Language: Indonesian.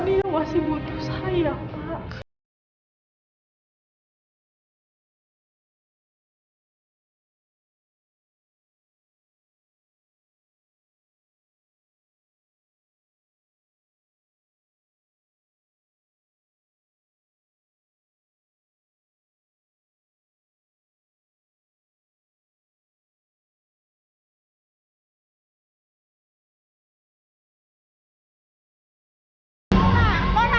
nino masih butuh saya pak